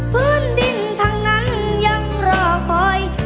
พื้นดินทั้งนั้นยังรอคอย